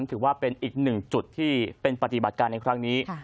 ถือว่าเป็นอีกหนึ่งจุดที่เป็นปฏิบัติการในครั้งนี้